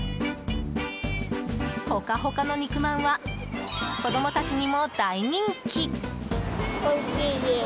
ほかほかの肉まんは子供たちにも大人気。